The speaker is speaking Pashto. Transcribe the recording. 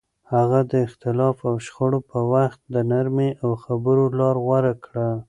هغه د اختلاف او شخړو په وخت د نرمۍ او خبرو لار غوره کړه.